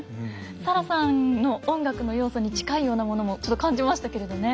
サラさんの音楽の要素に近いようなものもちょっと感じましたけれどね。